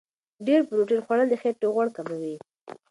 ډېر پروتین خوړل د خېټې غوړ کموي.